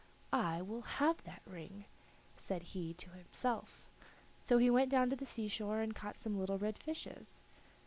"I will have that ring," said he to himself. So he went down to the sea shore and caught some little red fishes.